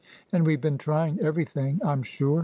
And we've been trying every thing, I'm sure.